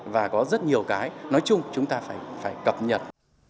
và có rất nhiều cái nói chung chúng ta phải cập nhật